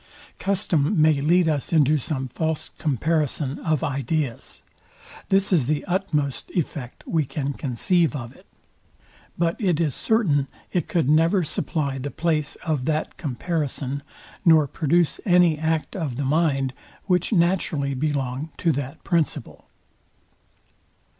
Custom may lead us into some false comparison of ideas. This is the utmost effect we can conceive of it. But it is certain it could never supply the place of that comparison, nor produce any act of the mind, which naturally belonged to that principle.